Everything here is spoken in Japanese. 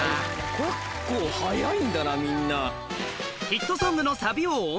結構早いんだなみんな。